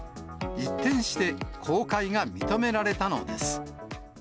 一転して、公開が認められたのです。